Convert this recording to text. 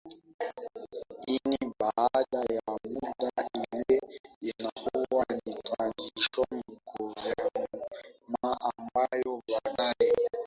ini baada ya muda ile inakuwa ni transition government ambayo baadaye